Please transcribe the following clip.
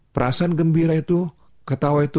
perasaan gembira itu ketawa itu